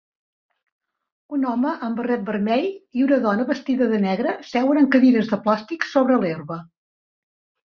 Un home amb barret vermell i una dona vestida de negre seuen en cadires de plàstic sobre l'herba.